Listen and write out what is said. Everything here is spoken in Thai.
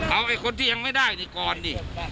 เอาไอ้คนที่ยังไม่ได้นี่ก่อนดิ